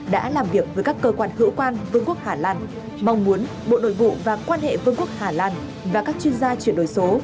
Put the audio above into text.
đã làm việc với các cơ quan hữu quan vương quốc hà lan mong muốn bộ nội vụ và quan hệ vương quốc hà lan và các chuyên gia chuyển đổi số